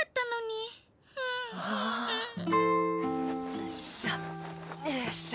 よいしょよいしょ。